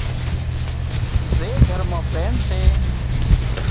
زي گھر مان پريم سي